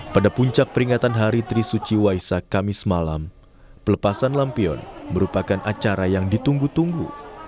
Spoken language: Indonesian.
pada puncak peringatan hari trisuci waisak kamis malam pelepasan lampion merupakan acara yang ditunggu tunggu